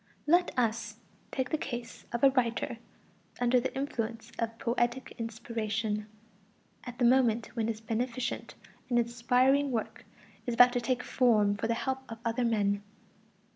Let us take the case of a writer under the influence of poetic inspiration, at the moment when his beneficent and inspiring work is about to take form for the help of other men.